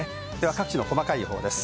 各地の細かい予報です。